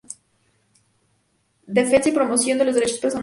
Defensa y promoción de los derechos personales.